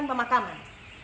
me pak komar